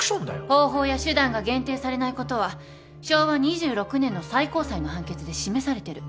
方法や手段が限定されないことは昭和２６年の最高裁の判決で示されてる。